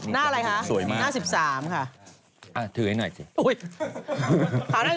หน้าอะไรคะหน้า๑๓ค่ะเอามาถือให้หน่อยสิอุ๊ย